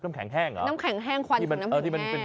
น้ำแข็งแห้งควันของน้ำหูแห้ง